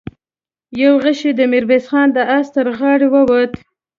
يو غشۍ د ميرويس خان د آس تر غاړې ووت.